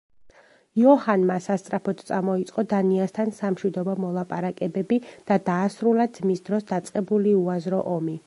იოჰანმა სასწრაფოდ წამოიწყო დანიასთან სამშვიდობო მოლაპარაკებები და დაასრულა ძმის დროს დაწყებული უაზრო ომი.